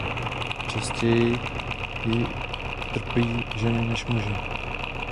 Častěji jí trpí ženy než muži.